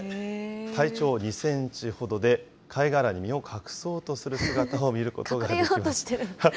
体長２センチほどで、貝殻に身を隠そうとする姿を見ることができます。